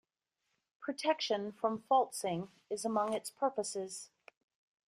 Protection from falsing is among its purposes.